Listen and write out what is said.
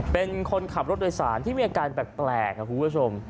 เป็นคนขับรถโดยสารที่มีอาการแปลกครับคุณผู้ชม